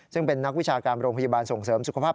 ซึ่งเป็นนักวิชาการโรงพยาบาลส่งเสริมสุขภาพ